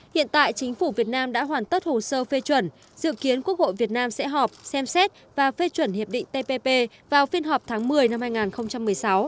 hiện tại chính phủ việt nam đã hoàn tất hồ sơ phê chuẩn dự kiến quốc hội việt nam sẽ họp xem xét và phê chuẩn hiệp định tpp vào phiên họp tháng một mươi năm hai nghìn một mươi sáu